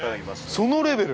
◆えっ、そのレベル？